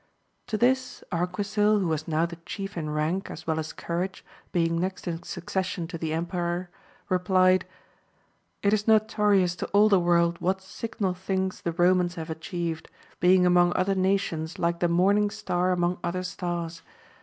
To this, Arquidl, who was now the chief in rank as well as courage, being next in succession to the empire, replied, It is notorious to all the world what signal things the Bo mans have atchieved, being among other nations like the morning star among other stars.